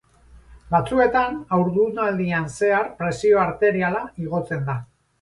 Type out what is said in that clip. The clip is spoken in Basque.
Batzuetan haurdunaldian zehar presio arteriala igotzen da.